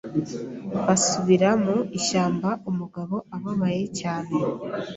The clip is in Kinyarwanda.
basubira mu ishyamba u mugabo ababaye cyane